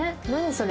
それ。